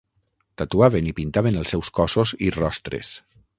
Tatuaven i pintaven els seus cossos i rostres.